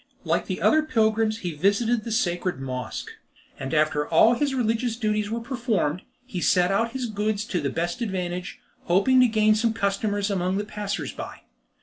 Like the other pilgrims he visited the sacred Mosque, and after all his religious duties were performed, he set out his goods to the best advantage, hoping to gain some customers among the passers by.